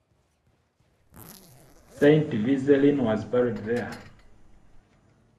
Saint Vizelin was buried there.